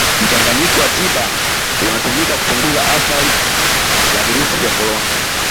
Mchanganyiko wa tiba unatumika kupunguza athari za virusi vya Corona